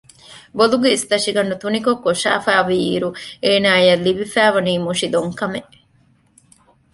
ބޮލުގެ އިސްތަށިގަނޑު ތުނިކޮށް ކޮށާފައިވީއިރު އޭނާއަށް ލިބިފައިވަނީ މުށި ދޮންކަމެއް